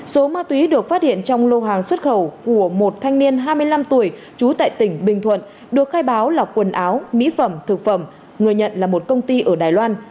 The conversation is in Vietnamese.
số ma túy được phát hiện trong lô hàng xuất khẩu của một thanh niên hai mươi năm tuổi trú tại tỉnh bình thuận được khai báo là quần áo mỹ phẩm thực phẩm người nhận là một công ty ở đài loan